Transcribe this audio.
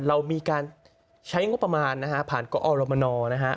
เรามีการใช้งบประมาณนะฮะผ่านกอรมนนะฮะ